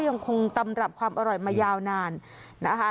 ยังคงตำรับความอร่อยมายาวนานนะคะ